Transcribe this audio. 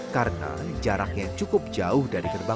karena jaraknya cukup jauh dari kendaraan